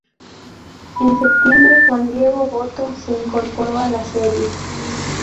En septiembre, Juan Diego Botto se incorporó a la serie.